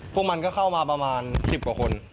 พวกมันก็เข้ามาประมาณ๑๐กว่าคน